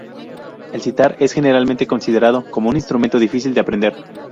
El sitar es generalmente considerado como un instrumento difícil de aprender.